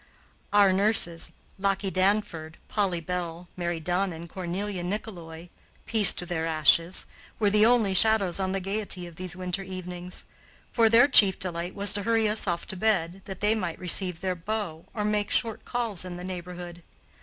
Our nurses, Lockey Danford, Polly Bell, Mary Dunn, and Cornelia Nickeloy peace to their ashes were the only shadows on the gayety of these winter evenings; for their chief delight was to hurry us off to bed, that they might receive their beaux or make short calls in the neighborhood.